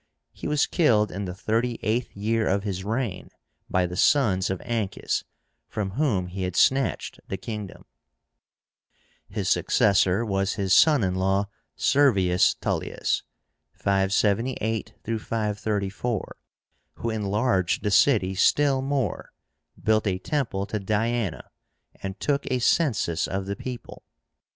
He was killed in the thirty eighth year of his reign by the sons of Ancus, from whom he had snatched the kingdom. His successor was his son in law, SERVIUS TULLIUS (578 534), who enlarged the city still more, built a temple to Diána, and took a census of the people.